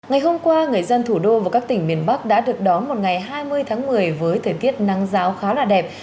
ngày hôm qua người dân thủ đô và các tỉnh miền bắc đã được đón một ngày hai mươi tháng một mươi với thời tiết nắng giáo khá là đẹp